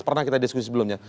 pernah kita diskusi sebelumnya